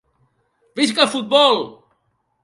Visca el futbol!